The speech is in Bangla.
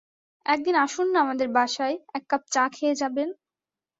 এক দিন আসুন না আমাদের বাসায়, এক কাপ চা খেয়ে যাবেন।